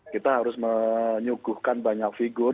kita harus menyuguhkan banyak figur